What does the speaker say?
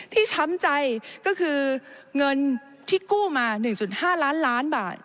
ช้ำใจก็คือเงินที่กู้มา๑๕ล้านล้านบาท